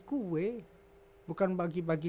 kue bukan bagi bagi